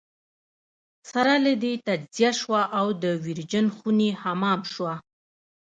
سره له دې تجزیه شوه او د ویرجن خوني حمام شوه.